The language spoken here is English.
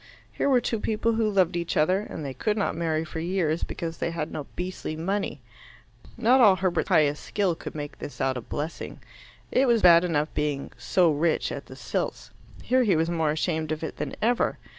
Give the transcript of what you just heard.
Here were two people who loved each other, and they could not marry for years because they had no beastly money. Not all Herbert's pious skill could make this out a blessing. It was bad enough being "so rich" at the Silts; here he was more ashamed of it than ever.